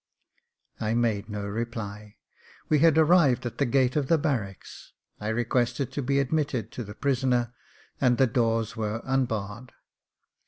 I made no reply j we had arrived at the gate of the barracks. I requested to be admitted to the prisoner, and the doors were unbarred.